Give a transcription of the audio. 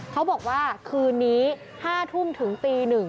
เขาบอกว่าคืนนี้๕ทุ่มถึงตี๑